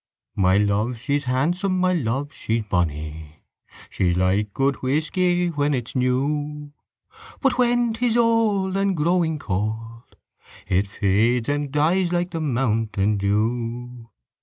My love she's handsome, My love she's bony: She's like good whisky When it is new; But when 'tis old And growing cold It fades and dies like The mountain dew.